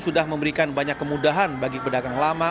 sudah memberikan banyak kemudahan bagi pedagang lama